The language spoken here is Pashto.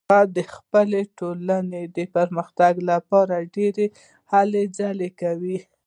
هغه د خپلې ټولنې د پرمختګ لپاره ډیرې هلې ځلې کوي